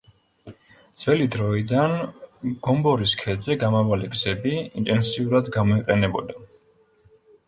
ძველი დროიდანვე გომბორის ქედზე გამავალი გზები ინტენსიურად გამოიყენებოდა.